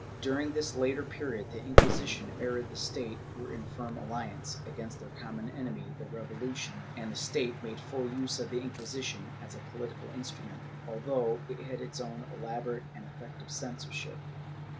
^ During this later period, the Inquisition and the State were in firm alliance, against their common enemy the Revolution, and the State made full use of the Inquisition as a political instrument, although it had its own elaborate and effective censorship.